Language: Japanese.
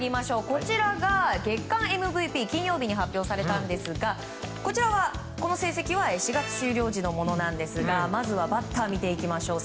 こちらが月間ＭＶＰ金曜日に発表されたんですがこちらの成績は４月終了時のものですがまずはバッターを見ていきましょう。